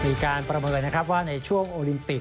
มีการประเมินนะครับว่าในช่วงโอลิมปิก